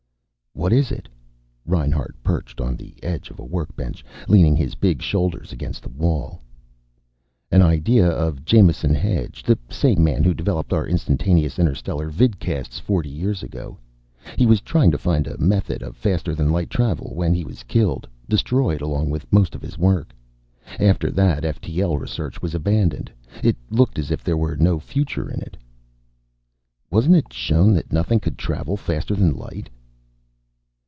"What is it?" Reinhart perched on the edge of a workbench, leaning his big shoulders against the wall. "An idea of Jamison Hedge the same man who developed our instantaneous interstellar vidcasts forty years ago. He was trying to find a method of faster than light travel when he was killed, destroyed along with most of his work. After that ftl research was abandoned. It looked as if there were no future in it." "Wasn't it shown that nothing could travel faster than light?"